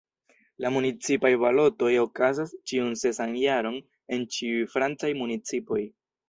La municipaj balotoj okazas ĉiun sesan jaron en ĉiuj francaj municipoj.